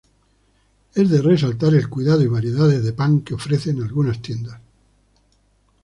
Es de resaltar el cuidado y variedades de pan que ofrecen algunas tiendas.